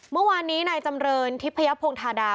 เมื่อวานนี้นายจำเรินทิพยพงธาดา